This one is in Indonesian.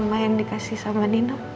nama yang diberikan sama nino